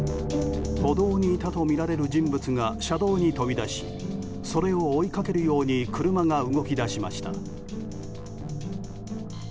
歩道にいたとみられる人物が車道に飛び出しそれを追いかけるように車が動き出しました。